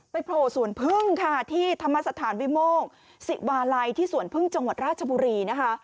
ไปโผล่สวนพึ่งที่ธรรมสถานวิมงศ์สิบาลัยที่สวนพึ่งจังหวัดราชบุรี